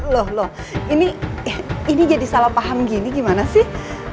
loh loh ini jadi salah paham gini gimana sih